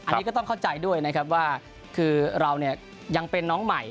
อันนี้ก็ต้องเข้าใจด้วยนะครับว่าคือเราเนี่ยยังเป็นน้องใหม่